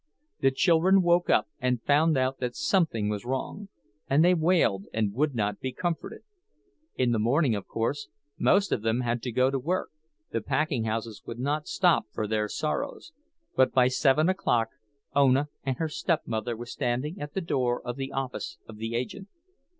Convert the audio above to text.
The children woke up and found out that something was wrong, and they wailed and would not be comforted. In the morning, of course, most of them had to go to work, the packing houses would not stop for their sorrows; but by seven o'clock Ona and her stepmother were standing at the door of the office of the agent.